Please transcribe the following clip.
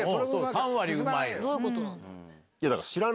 ３割うまい。